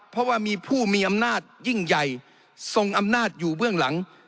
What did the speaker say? เพราะว่ามีผู้มีอำนาจยิ่งใหญ่ทรงอำนาจอยู่เบื้องหลัง